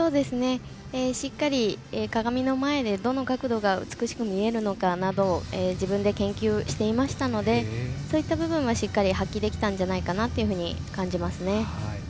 しっかり鏡の前でどの角度が美しく見えるのかなど自分で研究していましたのでそういった部分は発揮できたのではないかなと感じますね。